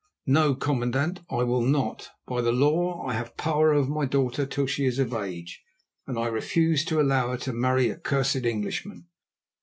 "No, commandant, I will not. By the law I have power over my daughter till she is of age, and I refuse to allow her to marry a cursed Englishman.